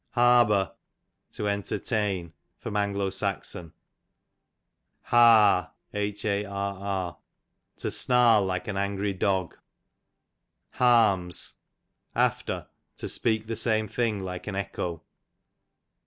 Harbor, to entertain. A. S. Harr, to snarl like an angry dog. Harms, after, to speak the same thing like an echo.